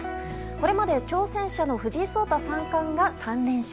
これまで挑戦者の藤井聡太三冠が３連勝。